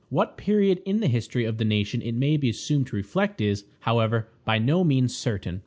What period in the history of the nation it may be assumed to reflect is, however, by no means certain.